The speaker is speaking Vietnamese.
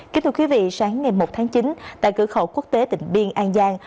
kính thưa quý vị sáng ngày một tháng chín tại cửa khẩu quốc tế tỉnh biên an giang